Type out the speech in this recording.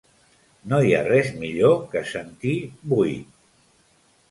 No hi ha res millor que sentir "Vuit".